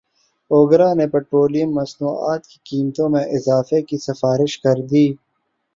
اوگرا نے پیٹرولیم مصنوعات کی قیمتوں میں اضافے کی سفارش کردی